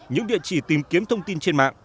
những địa chỉ tìm kiếm thông tin trên mạng